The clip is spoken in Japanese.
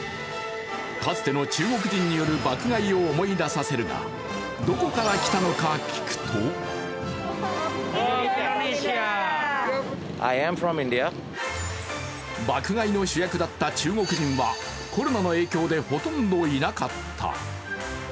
かつての中国人による爆買いを思い出させるがどこから来たのか聞くと爆買いの主役だった中国人はコロナの影響でほとんどいなかった。